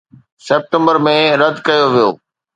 September ۾ رد ڪيو ويو